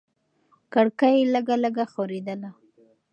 کړکۍ لږه لږه ښورېدله.